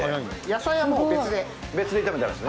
野菜はもう別で。